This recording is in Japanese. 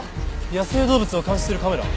野生動物を監視するカメラ。